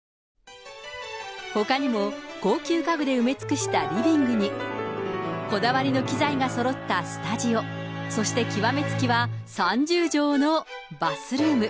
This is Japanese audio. ほかにも高級家具で埋め尽くしたリビングに、こだわりの機材がそろったスタジオ、そして極めつきは、３０畳のバスルーム。